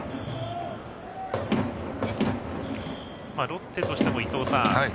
ロッテとしても、伊東さん